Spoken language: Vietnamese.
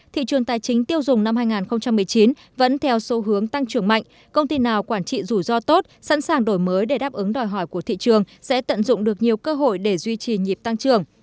thị trường tài chính tiêu dùng năm hai nghìn một mươi chín vẫn theo xu hướng tăng trưởng mạnh công ty nào quản trị rủi ro tốt sẵn sàng đổi mới để đáp ứng đòi hỏi của thị trường sẽ tận dụng được nhiều cơ hội để duy trì nhịp tăng trưởng